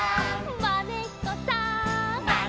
「まねっこさん」